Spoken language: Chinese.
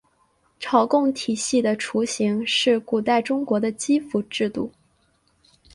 朝贡体系的雏形是古代中国的畿服制度。